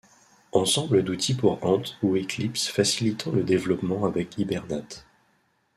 Ensemble d'outils pour Ant ou Eclipse facilitant le développement avec Hibernate.